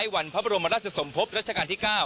วันพระบรมราชสมภพรัชกาลที่๙